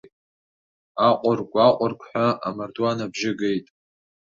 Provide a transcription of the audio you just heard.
Аҟыргә-аҟыргәҳәа амардуан абжьы геит.